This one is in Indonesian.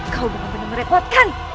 kau benar benar merepotkan